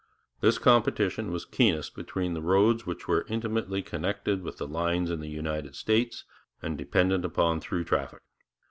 This competition was keenest between the roads which were intimately connected with the lines in the United States and dependent upon through traffic.